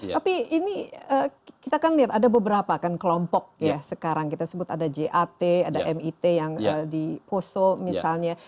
tapi ini kita kan lihat ada beberapa kan kelompok ya sekarang kita sebut ada jat ada mit yang di poso misalnya